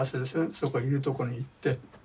そこいるとこに行って。